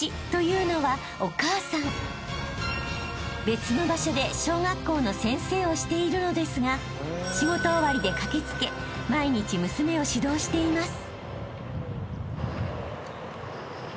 ［別の場所で小学校の先生をしているのですが仕事終わりで駆け付け毎日娘を指導しています］